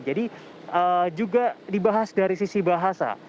jadi juga dibahas dari sisi bahasa